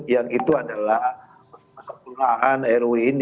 yang itu adalah kesepuluhan ruin